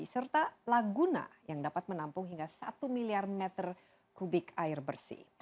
serta laguna yang dapat menampung hingga satu miliar meter kubik air bersih